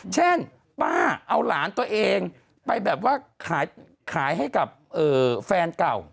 เช่นป้าเอาหลานตัวเองไปแบบว่าขายให้กับแฟนเก่า